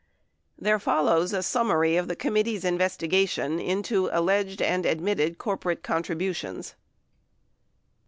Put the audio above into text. There follows a summary of the committee's investigation into alleged and admitted corporate contributions.